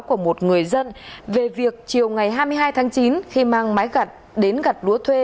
của một người dân về việc chiều ngày hai mươi hai tháng chín khi mang máy gặt đến gặt lúa thuê